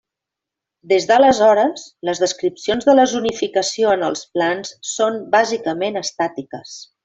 Des d'aleshores, les descripcions de la zonificació en els plans són bàsicament estàtiques.